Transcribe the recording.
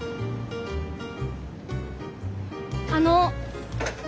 あの。